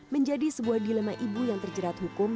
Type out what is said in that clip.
menjadi sebuah dilema ibu yang terjerat hukum